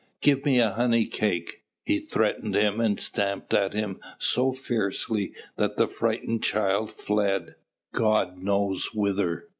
give me a honey cake," he threatened him and stamped at him so fiercely that the frightened child fled, God knows whither.